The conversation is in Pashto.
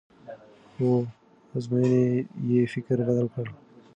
خو ازموینې یې فکر بدل کړ.